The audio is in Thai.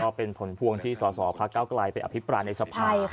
ก็เป็นผลพวงที่สสพระเก้าไกลไปอภิปรายในสภา